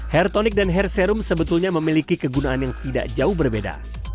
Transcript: hair tonic dan hair serum sebetulnya memiliki kegunaan yang tidak jauh berbeda